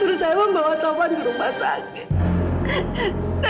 justru saya mau bawa taufan ke rumah sakit